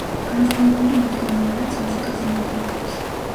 განსხვავებული მიდგომაა, რაც მუსიკაზე მოქმედებს.